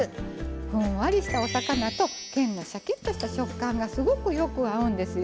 ふんわりしたお魚とけんのシャキッとした食感がすごくよく合うんですよ。